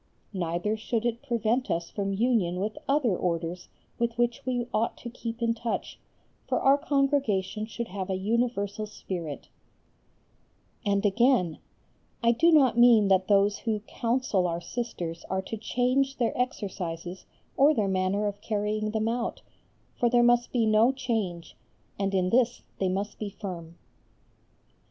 Neither should it prevent us from union with other Orders with which we ought to keep in touch, for our Congregation should have a universal spirit"; and again: "I do not mean that those who counsel our Sisters are to change their exercises or their manner of carrying them out, for there must be no change, and in this they must be firm."